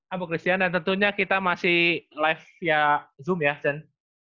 abu christian dan tentunya kita masih live via zoom ya dan